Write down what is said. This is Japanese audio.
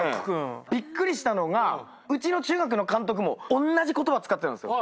びっくりしたのがうちの中学の監督もおんなじ言葉使ってたんすよ。